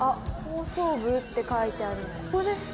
って書いてある。